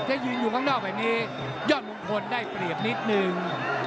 ถ้ายืนอยู่ข้างนอกแบบนี้ยอดมงคลได้เปรียบนิดนึง